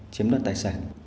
chiếm đoạt tài sản